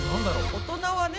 大人はね